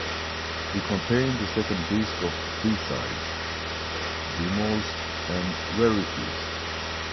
It contains a second disc of B-sides, demos and rarities.